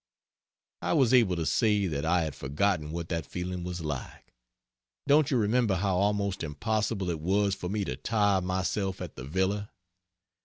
I was able to say that I had forgotten what that feeling was like. Don't you remember how almost impossible it was for me to tire myself at the Villa?